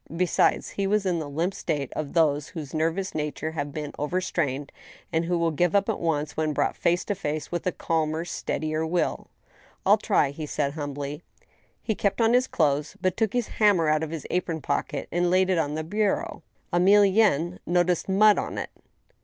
Besides, he was in the limp state of those whose nervous natures have, been overstrained, and who give up at once when brought face to face with a calmer, steadier will. " rU try," he said, humbly. He. kept on his clothes, but took his hammer out of his apron pocket and laid it on the bureau. Emilienne noticed mud upon it.